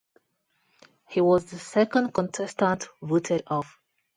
He was the second contestant voted off.